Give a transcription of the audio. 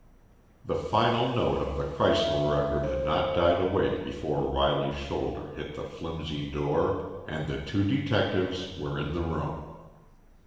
The final note of the Kreisler record had not died away before Riley's shoulder hit the flimsy door and the two detectives were in the room.